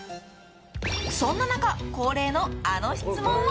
そんな中、恒例のあの質問を。